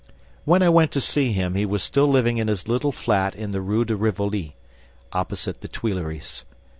When I went to see him, he was still living in his little flat in the Rue de Rivoli, opposite the Tuileries.